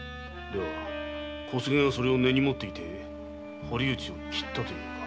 では「小菅がそれを根に持って堀内を斬った」と？